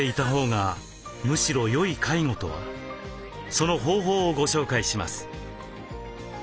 その方法をご紹介します。